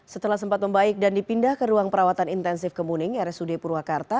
setelah sempat membaik dan dipindah ke ruang perawatan intensif kemuning rsud purwakarta